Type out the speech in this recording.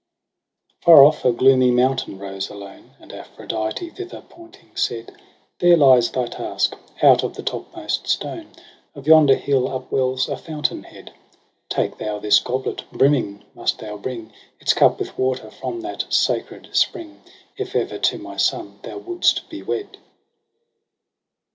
Far off a gloomy mountain rose alone : And Aphrodite, thither pointing, said ' There lies thy task. Out of the topmost stone Of yonder hill upwells a fountain head. Take thou this goblet j brimming must thou bring Its cup with water from that sacred spring. If ever to my son thou wouldst be wed.'